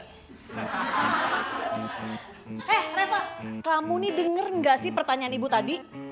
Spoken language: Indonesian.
eh reva kamu nih dengar gak sih pertanyaan ibu tadi